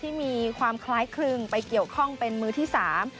ที่มีความคล้ายคลึงไปเกี่ยวข้องเป็นมือที่สาม